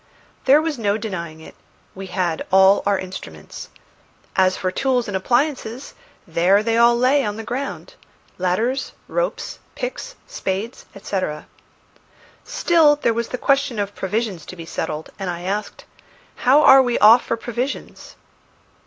There was no denying it. We had all our instruments. As for tools and appliances, there they all lay on the ground ladders, ropes, picks, spades, etc. Still there was the question of provisions to be settled, and I asked "How are we off for provisions?"